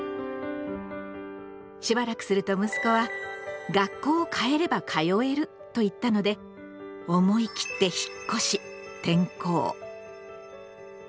しばらくすると息子は「学校をかえれば通える」と言ったので思い切って引っ越し転校。